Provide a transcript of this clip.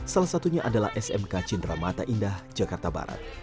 salah satunya adalah smk cindera mata indah jakarta barat